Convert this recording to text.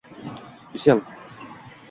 Ucell